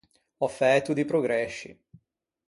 Ò fæto di progresci.